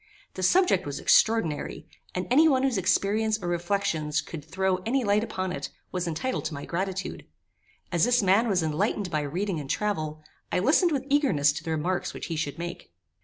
The subject was extraordinary; and any one whose experience or reflections could throw any light upon it, was entitled to my gratitude. As this man was enlightened by reading and travel, I listened with eagerness to the remarks which he should make.